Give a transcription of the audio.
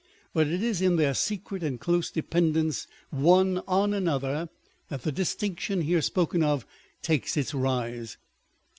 But it is in their secret and close dependence one on another, that the distinction here spoken of takes its rise.